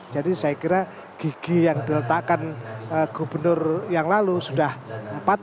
jadi saya kira gigi yang diletakkan gubernur yang lalu sudah empat